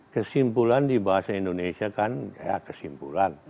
kesimpulan di bahasa indonesia kan ya kesimpulan